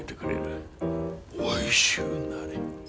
おいしゅうなれ。